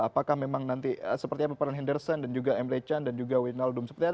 apakah memang nanti seperti apa peran henderson dan juga emre chan dan juga winaldum